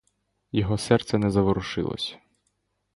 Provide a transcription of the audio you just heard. Його серце не заворушилось.